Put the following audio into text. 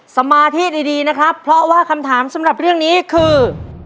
สมาธิดีนะครับเพราะว่าคำถามสำหรับเรื่องนี้คือ